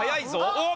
おっ！